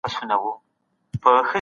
ایا مطالعه کول ستړیا له منځه وړي؟